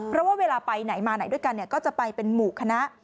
เพราะว่าเวลาไปไหนมาไหนด้วยกันก็จะไปเป็นหมู่คณะ